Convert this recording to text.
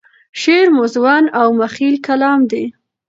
شعر موزون او مخیل کلام دی.